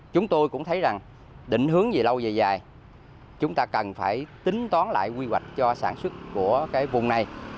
chúng tôi cũng thấy rằng định hướng gì lâu dài dài chúng ta cần phải tính toán lại quy hoạch cho sản xuất của cái vùng này